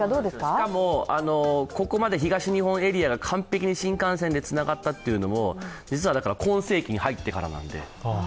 しかも、ここまで東日本エリアが完璧に新幹線でつながったのも実は今世紀に入ってからなんで。